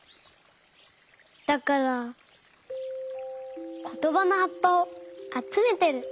だからことばのはっぱをあつめてる。